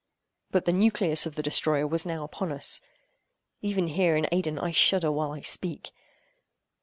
But the nucleus of the destroyer was now upon us; even here in Aidenn, I shudder while I speak.